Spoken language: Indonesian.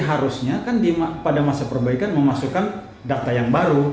harusnya kan pada masa perbaikan memasukkan data yang baru